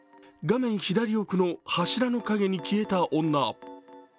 画面左奥の柱の陰に消えた女。